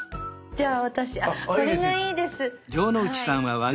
じゃあ僕これがいいです。